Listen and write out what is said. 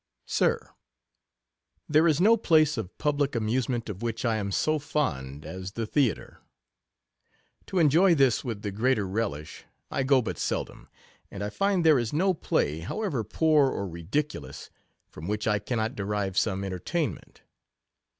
Sir, 1 here is no place of public amuse ment of which I am so fond as the Theatre. To enjoy this with the greater relish I go but seldom ; and I find there is no play, how ever poor or ridiculous, from which I cannot derive some entertainment.